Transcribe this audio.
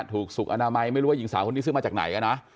ถูกสุขอนามัยไม่รู้ว่าหญิงสาวคนนี้ซื้อมาจากไหน